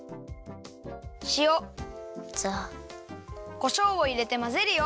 こしょうをいれてまぜるよ。